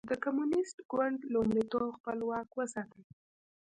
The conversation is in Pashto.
د کمونېست ګوند لومړیتوب خپل واک وساتي.